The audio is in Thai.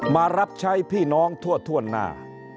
มารับใช้พี่น้องทั่วหน้า